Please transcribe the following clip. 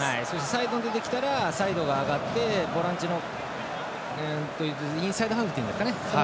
サイドに出てきたらサイドが上がってボランチのインサイドハーフっていうんですかね。